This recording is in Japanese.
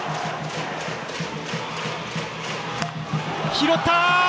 拾った！